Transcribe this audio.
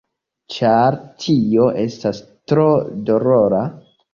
Ĉar tio estas tro dolora.